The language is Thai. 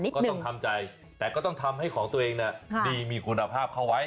ก็ต้องทำใจแต่ก็ต้องทำให้ของตัวเองดีมีคุณภาพเข้าไว้